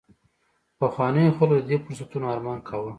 پخوانیو خلکو د دې فرصتونو ارمان کاوه